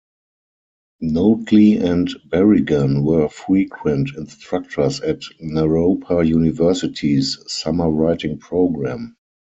Notley and Berrigan were frequent instructors at Naropa University's summer writing program.